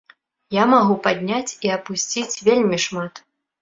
Я магу падняць і апусціць вельмі шмат.